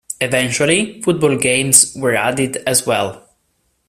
Eventually, football games were added as well.